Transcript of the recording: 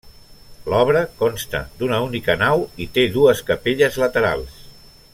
L'obra consta d'una única nau i té dues capelles laterals.